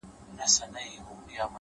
د ملا لوري نصيحت مه كوه ؛